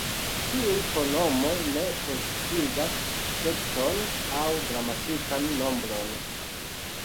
Tiuj pronomoj ne precizigas sekson aŭ gramatikan nombron.